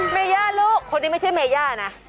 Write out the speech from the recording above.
เมย่าลูกคนนี้ไม่ใช่เมย่านะ